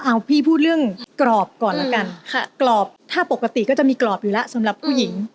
เอาพี่พูดเรื่องกรอบก่อนแล้วกันค่ะกรอบถ้าปกติก็จะมีกรอบอยู่แล้วสำหรับผู้หญิง